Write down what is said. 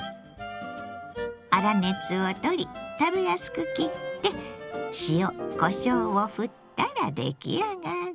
粗熱を取り食べやすく切って塩こしょうをふったら出来上がり。